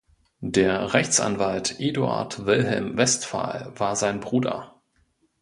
Der Rechtsanwalt Eduard Wilhelm Westphal war sein Bruder.